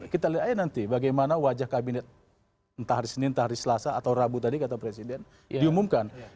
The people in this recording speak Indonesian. kita lihat aja nanti bagaimana wajah kabinet entah hari senin entah hari selasa atau rabu tadi kata presiden diumumkan